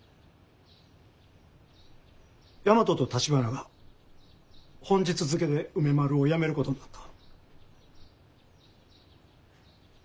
大和と橘が本日付けで梅丸をやめることになった。